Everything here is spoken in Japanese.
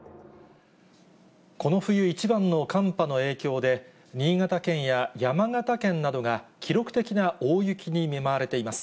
この冬一番の寒波の影響で、新潟県や山形県などが記録的な大雪に見舞われています。